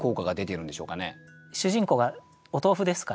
主人公がお豆腐ですからね。